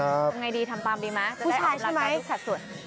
ทำไงดีทำตามดีมั้ยผู้ชายใช่มั้ย